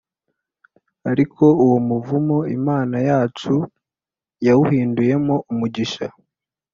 Ariko uwo muvumo Imana yacu yawuhinduyemo umugisha